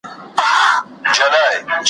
«پښتو» ته وژباړه